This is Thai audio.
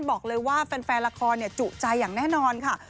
บอกเลยว่าแฟนละครจุใจอย่างแน่นอนค่ะ